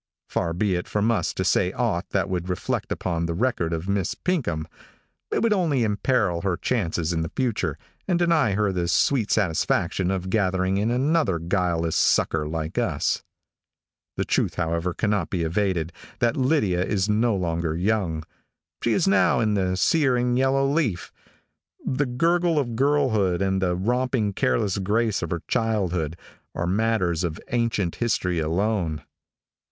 Far be it from us to say aught that would reflect upon the record of Miss Pinkham. It would only imperil her chances in the future, and deny her the sweet satisfaction of gathering in another guileless sucker like us. The truth, however, cannot be evaded, that Lydia is no longer young. She is now in the sere and yellow leaf. The gurgle of girlhood, and the romping careless grace of her childhood, are matters of ancient history alone.